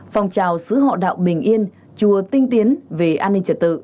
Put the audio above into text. phong trào sứ họ đạo bình yên chùa tinh tiến về an ninh trật tự